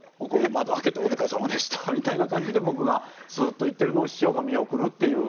窓開けて「お疲れさまでした」みたいな感じで僕がスーッと行っているのを師匠が見送るっていう。